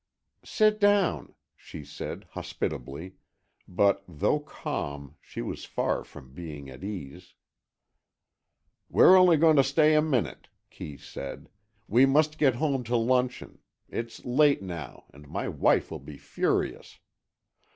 "Sit down," she said, hospitably, but though calm, she was far from being at ease. "We're only going to stay a minute," Kee said. "We must get home to luncheon. It's late now, and my wife will be furious.